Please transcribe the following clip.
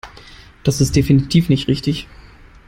Das ist definitiv nicht richtig.